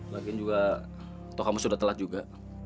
lagian juga tau kamu sudah telat juga